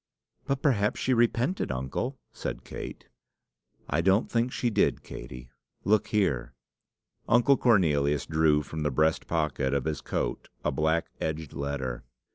"But perhaps she repented, uncle," said Kate. "I don't think she did, Katey. Look here." Uncle Cornelius drew from the breast pocket of his coat a black edged letter.